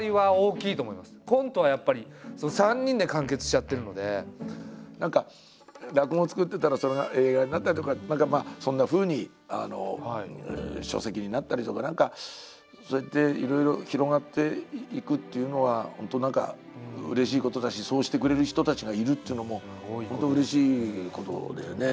やっぱりでも何か落語を作ってたらそれが映画になったりとかそんなふうに書籍になったりとか何かそうやっていろいろ広がっていくっていうのは本当うれしいことだしそうしてくれる人たちがいるというのも本当うれしいことだよね。